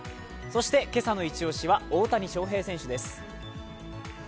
そして今朝のイチ押しは大谷翔平選手です。